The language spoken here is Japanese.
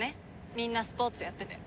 みんなスポーツやってて。